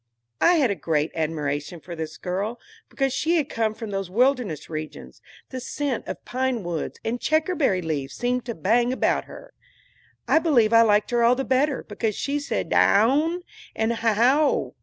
I had a great admiration for this girl, because she had come from those wilderness regions. The scent of pine woods and checkerberry leaves seemed to bang about her. I believe I liked her all the better because she said "daown" and "haow."